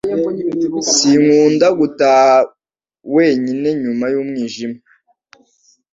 Sinkunda gutaha wenyine nyuma y'umwijima